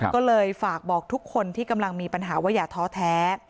ก็เลยฝากบอกทุกคนที่กำลังมีปัญหาว่าอย่าท้อแท้